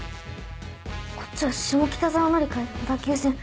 こっちは下北沢乗り換えで小田急線。